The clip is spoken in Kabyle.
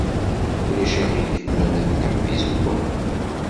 Ulac aɣilif ma medleɣ tizewwa?